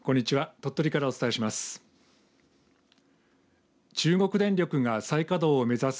鳥取からお伝えします。